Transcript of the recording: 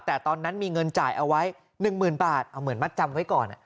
แต่ตอนนั้นมีเงินจ่ายเอาไว้๑๐๐๐บาทเอาเหมือนมัดจำไว้ก่อน